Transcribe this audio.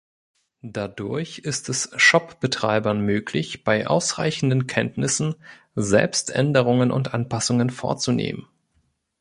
Dadurch ist es Shop-Betreibern möglich, bei ausreichenden Kenntnissen selbst Änderungen und Anpassungen vorzunehmen.